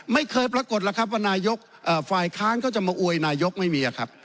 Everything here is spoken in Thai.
ไม่เคยปรากฏแล้วครับว่านายกฝ่ายค้านเขาจะมาอวยนายกไม่มีครับ